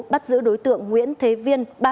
bắt giữ đối tượng nguyễn thế viên